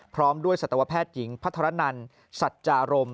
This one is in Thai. พร้อมด้วยสัตวแพทย์หญิงพัทรนันสัจจารม